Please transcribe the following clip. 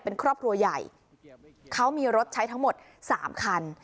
เป็นครอบครัวใหญ่เขามีรถใช้ทั้งหมด๓คัน